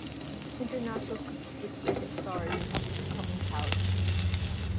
Internationals compete with British stars and up-and-coming talent.